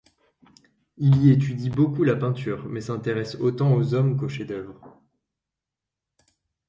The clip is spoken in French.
Il y étudie beaucoup la peinture, mais s'intéresse autant aux hommes qu'aux chefs-d'œuvre.